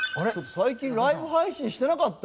最近ライブ配信してなかった？